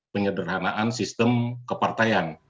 penyederhanaan sistem kepartaian